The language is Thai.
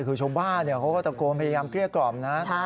คือช่วงบ้านเขาก็ตะโกนพยายามเกรียดกรอบนะ